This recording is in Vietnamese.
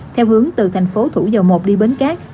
theo hướng từ thành phố thủ dầu một đi bến cát